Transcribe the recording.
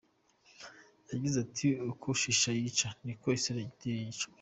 Yagize ati “Uko shisha yica niko n’isegereti ryica.